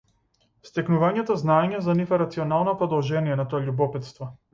Стекнувањето знаење за нив е рационално продолжение на тоа љубопитство.